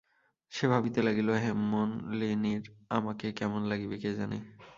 সে ভাবিতে লাগিল, হেমনলিনীর আমাকে কেমন লাগিবে কে জানে।